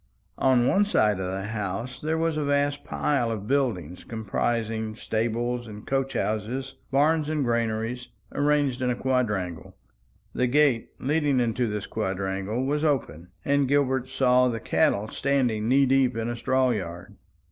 On one side of the house there was a vast pile of building, comprising stables and coach houses, barns and granaries, arranged in a quadrangle. The gate leading into this quadrangle was open, and Gilbert saw the cattle standing knee deep in a straw yard.